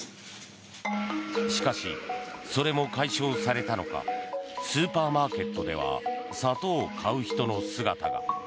しかし、それも解消されたのかスーパーマーケットでは砂糖を買う人の姿が。